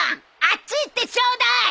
あっち行ってちょうだい！